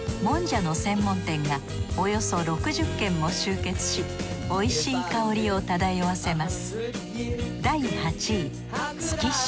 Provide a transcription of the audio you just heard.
もんじゃの専門店がおよそ６０軒も集結し美味しい香りを漂わせます